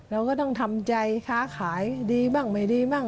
เราก็ต้องทำใจค้าขายดีบ้างไม่ดีบ้าง